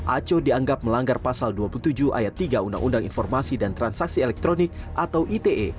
aco dianggap melanggar pasal dua puluh tujuh ayat tiga undang undang informasi dan transaksi elektronik atau ite